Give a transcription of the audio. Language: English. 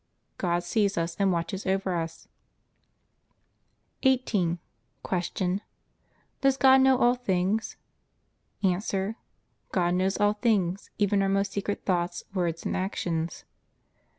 God sees us and watches over us. 18. Q. Does God know all things? A. God knows all things, even our most secret thoughts, words, and actions.